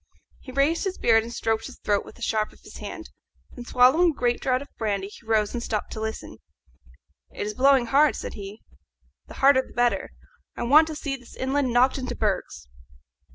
He raised his beard and stroked his throat with the sharp of his hand. Then, swallowing a great draught of brandy, he rose and stopped to listen. "It is blowing hard," said he; "the harder the better. I want to see this island knocked into bergs.